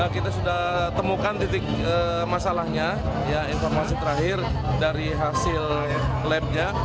kita sudah temukan titik masalahnya informasi terakhir dari hasil labnya